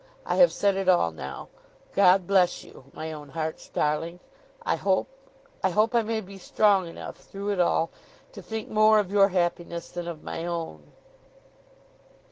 I have said it all now. God bless you, my own heart's darling. I hope, I hope I may be strong enough through it all to think more of your happiness than of my own."